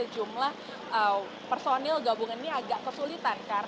dan yang terdapat di atas